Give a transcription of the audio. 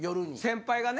先輩がね。